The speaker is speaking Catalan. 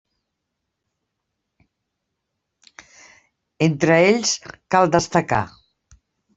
Entre ells cal destacar.